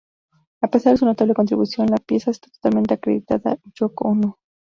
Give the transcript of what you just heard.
A pesar de su notable contribución, la pieza está totalmente acreditada a Yoko Ono.